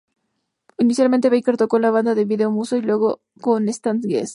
Inicialmente, Baker tocó en la banda de Vido Musso y luego con Stan Getz.